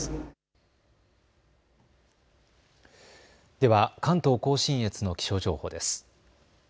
では関東甲信越の気象情報です。